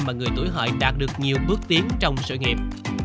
mà người tuổi hội đạt được nhiều bước tiến trong sự nghiệp